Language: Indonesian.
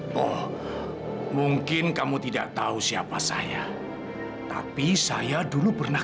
tolong beri kesempatan saya untuk ketemu